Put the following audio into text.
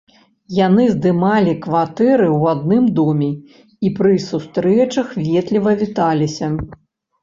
Яны здымалі кватэры ў адным доме і пры сустрэчах ветліва віталіся.